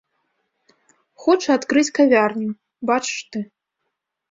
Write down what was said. Хоча адкрыць кавярню, бачыш ты!